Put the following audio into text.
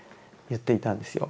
言っていたんですよ。